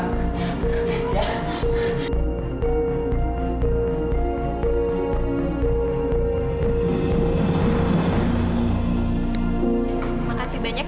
terima kasih banyak